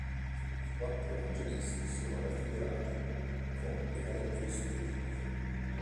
I quattro evangelisti sono raffigurati con le caratteristiche tipiche.